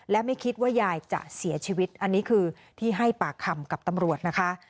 และไม่คิดว่ายายจะเสียชีวิตอันนี้คือที่ให้ปากคำกับตำรวจนะคะ